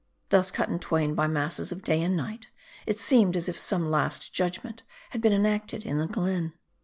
Thus cut in twain by masses of day and night, it seemed as if some Last Judgment had been enacted in the glen